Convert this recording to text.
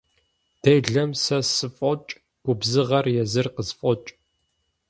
Делэм сэ сыфӀокӀ, губзыгъэр езыр къысфӀокӀ.